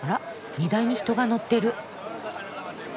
荷台に人が乗ってる。